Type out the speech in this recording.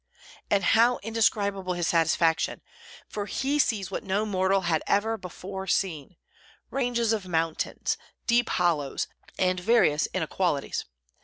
And how indescribable his satisfaction, for he sees what no mortal had ever before seen, ranges of mountains, deep hollows, and various inequalities!